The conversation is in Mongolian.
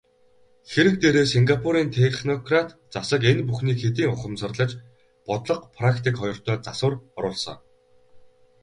Хэрэг дээрээ Сингапурын технократ засаг энэ бүхнийг хэдийн ухамсарлаж бодлого, практик хоёртоо засвар оруулсан.